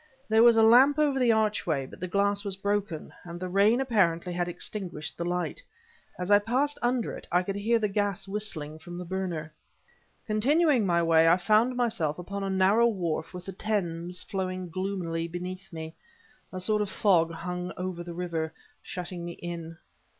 There was a lamp over the archway, but the glass was broken, and the rain apparently had extinguished the light; as I passed under it, I could hear the gas whistling from the burner. Continuing my way, I found myself upon a narrow wharf with the Thames flowing gloomily beneath me. A sort of fog hung over the river, shutting me in.